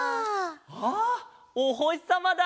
あおほしさまだ！